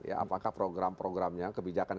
apakah program programnya kebijakannya